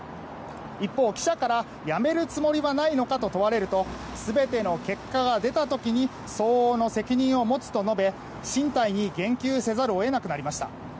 一方、記者から辞めるつもりはないかと問われると全ての結果が出た時に相応の責任を持つと述べ進退に言及せざるを得なくなりました。